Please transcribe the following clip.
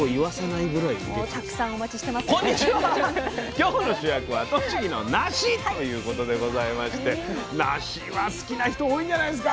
今日の主役は栃木のなしということでございましてなしは好きな人多いんじゃないですか